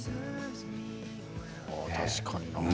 確かにな。